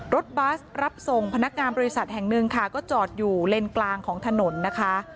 บัสรับส่งพนักงานบริษัทแห่งหนึ่งค่ะก็จอดอยู่เลนกลางของถนนนะคะ